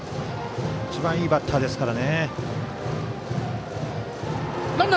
一番いいバッターですから。